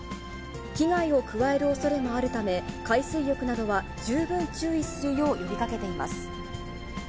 危害を加えるおそれもあるため、海水浴などは十分注意するよう呼びかけています。